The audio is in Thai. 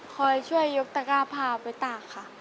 คอยช่วยยกตะก้าพาไปตากค่ะ